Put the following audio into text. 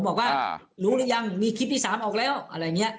บอกว่ารู้หรือยังมีคลิปที่๓ออกแล้วอะไรอย่างนี้